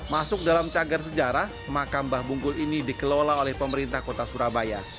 masuk dalam cagar sejarah makam mbah bungkul ini dikelola oleh pemerintah kota surabaya